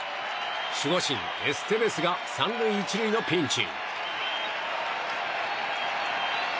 守護神エステベスが３塁１塁のピンチ。